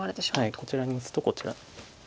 こちらに打つとこちら。